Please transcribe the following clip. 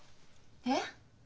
えっ？